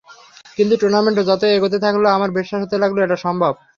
কিন্তু টুর্নামেন্টে যতই এগোতে থাকল, আমার বিশ্বাস হতে লাগল, এটা সম্ভব।